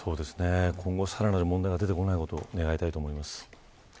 今後、さらなる問題が出てこないことを願いたいと思います。